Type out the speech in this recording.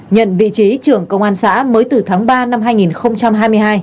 nhận vị trí trưởng công an xã mới từ tháng ba năm hai nghìn hai mươi hai